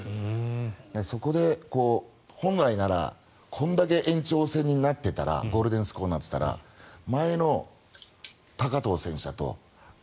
そこで本来ならこんだけ延長戦になってたらゴールデンスコアになっていたら前の高藤選手だったら